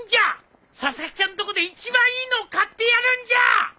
佐々木さんとこで一番いいのを買ってやるんじゃ！